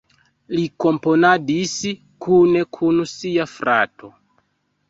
Li komponadis kune kun sia frato.